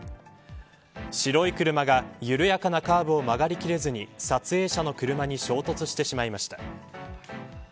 白い車が緩やかなカーブを曲がりきれずに撮影者の車に衝突してしまいました。